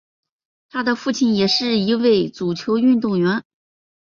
他的父亲也是一位足球运动员。